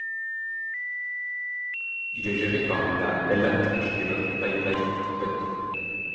Il est géré par la Eilat Ashkelon Pipeline Company.